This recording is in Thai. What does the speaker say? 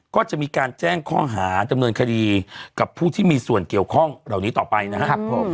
ก็จะมีการแจ้งข้อหาดำเนินคดีกับผู้ที่มีส่วนเกี่ยวข้องเหล่านี้ต่อไปนะครับผม